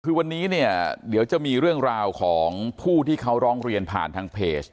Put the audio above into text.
คือวันนี้เนี่ยเดี๋ยวจะมีเรื่องราวของผู้ที่เขาร้องเรียนผ่านทางเพจ